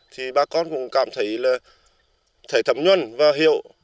thì bà con cũng cảm thấy thầy thẩm nhuận và hiệu